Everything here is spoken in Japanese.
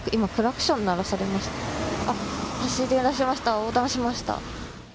横断しました。